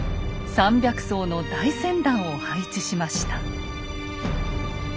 ３００艘の大船団を配置しました。